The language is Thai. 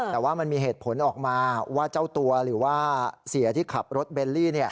แต่ว่ามันมีเหตุผลออกมาว่าเจ้าตัวหรือว่าเสียที่ขับรถเบลลี่